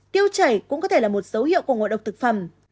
tiêu chảy cũng có thể là một dấu hiệu của ngộ độc thực phẩm